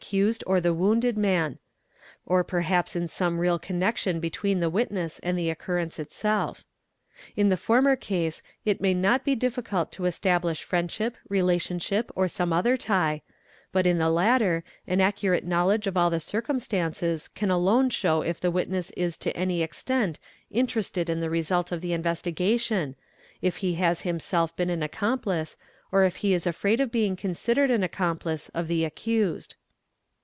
cused or the wounded man; or perhaps in some real connection between — the witness and the occurrence itself. In the former case it may not bé difficult to establish friendship, relationship, or some other tie; but in the latter, an accurate knowledge of all the circumstances can alone | show if the witness is to any extent interested in the result of the investigation, if he has himself been an accomplice, or if he is afraid of being considered an accomplice, of the accused.